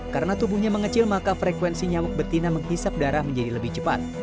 karena tubuhnya mengecil maka frekuensi nyamuk betina menghisap darah menjadi lebih cepat